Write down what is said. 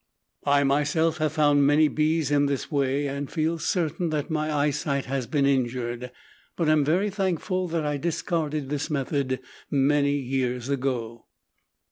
I, myself, have found many bees in this way and feel certain that my eyesight has been injured, but am very thankful that I discarded this method many years ago.